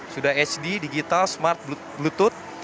sudah hd digital smart bluetooth